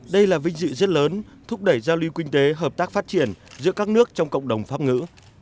đây là vinh dự rất lớn thúc đẩy giao lưu kinh tế hợp tác phát triển giữa các nước trong cộng đồng pháp ngữ